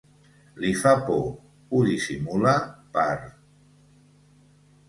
Li fa por, ho dissimula, per